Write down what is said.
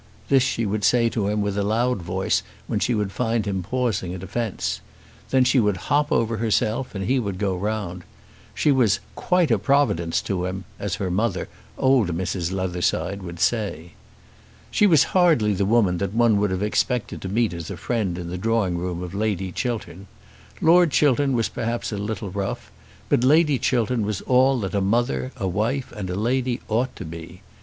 This she would say to him with a loud voice when she would find him pausing at a fence. Then she would hop over herself and he would go round. She was "quite a providence to him," as her mother, old Mrs. Leatherside, would say. She was hardly the woman that one would have expected to meet as a friend in the drawing room of Lady Chiltern. Lord Chiltern was perhaps a little rough, but Lady Chiltern was all that a mother, a wife, and a lady ought to be.